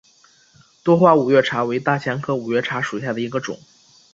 多花五月茶为大戟科五月茶属下的一个种。